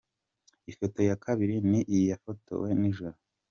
Ifoto ya kabiri ni iyafotowe nijoro.